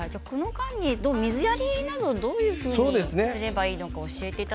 水やりはどういうふうにすればいいですか？